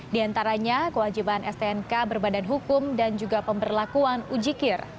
di antaranya kewajiban stnk berbadan hukum dan juga pemberlakuan ujikir